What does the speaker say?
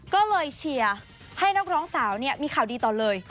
ก็เลยเชียร์ให้นักร้องสาวมีข่าวดีต่อเลย